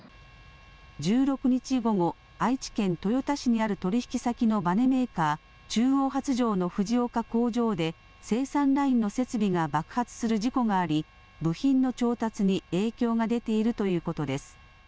１６日午後、愛知県豊田市にある取引先のばねメーカー、中央発條の藤岡工場で生産ラインの設備が爆発する事故があり部品の調達に影響が出ているということです。